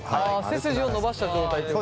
背筋を伸ばした状態ということですね。